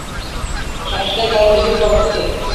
শাসিয়ে গেল, লিখে জবাব দেবে।